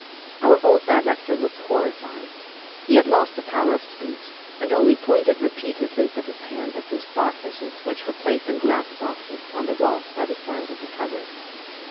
Our old director looked horrified ; he had lost the power of speech, and only pointed repeatedly with his hand at some star fishes which were placed in glass boxes on the walls by the sides of the cupboard.